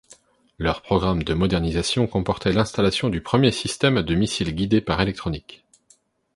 Leur programme de modernisation comportait l'installation du premier système de missile guidé par électronique.